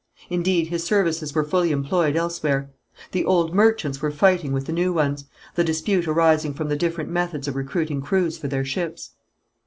Indeed his services were fully employed elsewhere. The old merchants were fighting with the new ones, the dispute arising from the different methods of recruiting crews for their ships.